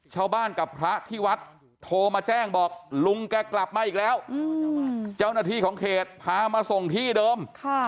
ชาวบ้านกับพระที่วัดโทรมาแจ้งบอกลุงแกกลับมาอีกแล้วเจ้าหน้าที่ของเขตพามาส่งที่เดิม